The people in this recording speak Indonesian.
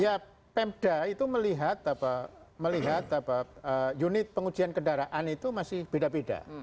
ya pemda itu melihat unit pengujian kendaraan itu masih beda beda